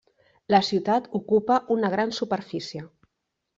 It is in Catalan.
La ciutat ocupa una gran superfície.